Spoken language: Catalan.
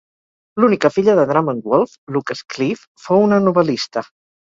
L'única filla de Drummond Wolff, Lucas Cleeve, fou una novel·lista.